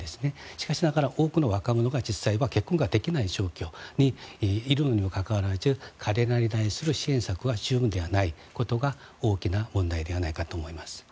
しかしながら多くの若者が実際は結婚ができない状況にいるにもかかわらず彼らに対する支援策が十分ではないことが大きな問題ではないかと思います。